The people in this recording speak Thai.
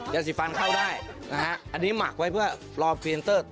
ยาสีฟันเข้าได้นะฮะอันนี้หมักไว้เพื่อรอฟรีนเตอร์